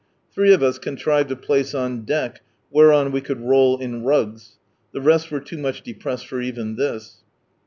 Three of us contrived a place on deck whereon we could roll in rugs. The rest were loo much depressed for even this.